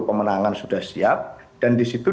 pemenangan sudah siap dan disitu